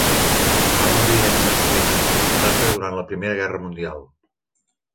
Va morir en un accident de motocicleta durant la Primera Guerra Mundial.